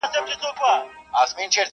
همېشه به په غزا پسي وو تللی؛